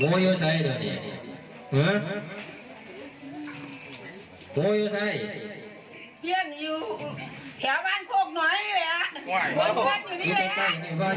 ก็ก็ก่อนพี่อย่างแถวบ้านโคกน้อยนะ